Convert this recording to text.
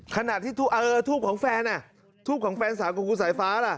ขนาดที่ทูบของแฟนทูบของแฟนสาวกูกูสายฟ้า